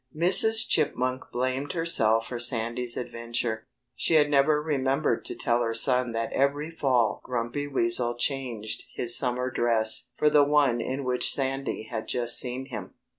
Mrs. Chipmunk blamed herself for Sandy's adventure. She had never remembered to tell her son that every fall Grumpy Weasel changed his summer dress for the one in which Sandy had just seen him.